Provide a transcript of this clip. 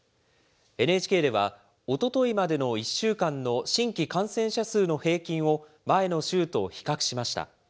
ＮＨＫではおとといまでの１週間の新規感染者数の平均を前の週と比較しました。